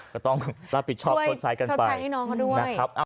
ก็ต้องรับผิดชอบชอบใช้กันไปชอบใช้ให้น้องเขาด้วย